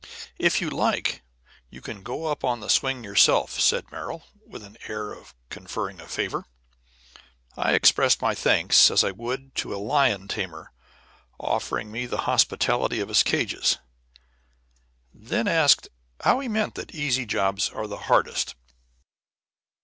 "If you like, you can go up on the swing yourself!" said Merrill, with the air of conferring a favor. I expressed my thanks as I would to a lion tamer offering me the hospitality of his cages, then asked how he meant that easy jobs are the hardest.